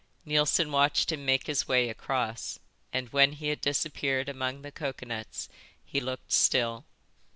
Neilson watched him make his way across and when he had disappeared among the coconuts he looked still.